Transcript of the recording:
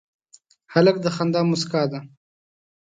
هلک د خندا موسکا ده.